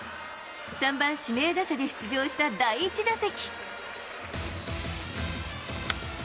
３番指名打者で出場した第１打席。